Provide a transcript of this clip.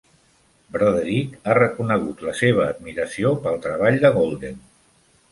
Broderick ha reconegut la seva admiració pel treball de Golden.